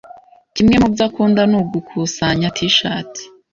Kimwe mubyo akunda ni ugukusanya T-shati.